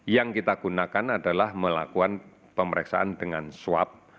yang kita gunakan adalah melakukan pemeriksaan dengan swab